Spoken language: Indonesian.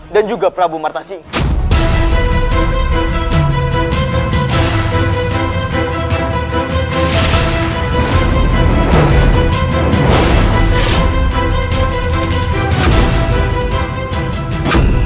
dan juga prabu marta singa